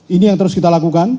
ini yang terus kita lakukan